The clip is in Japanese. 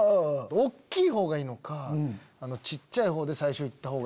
大きいほうがいいのか小っちゃいほうで最初行ったほうが。